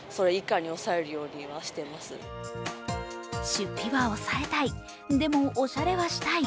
出費は抑えたい、でもオシャレはしたい。